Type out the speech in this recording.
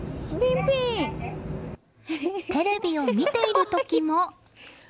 テレビを見ている時も。